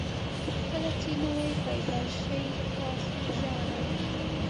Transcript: کله چې نوی پیدا شئ تاسو ژاړئ.